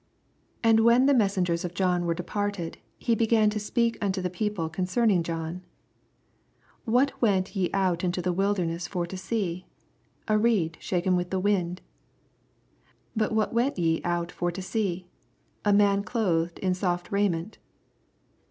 24 And when the messengers of John were departed, he began to speak unto the people concemiD^ John, What went ye oat into the wudemess for to see ? A reed shaken with the wind? 25 But what went ye out for to see? A man clothed in soft raiment